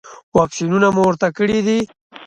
واکسینونه مو ورته کړي دي؟